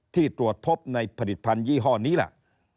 ที่ตรวจพบในผลิตภัณฑ์ยี่ห้อนี้แหละ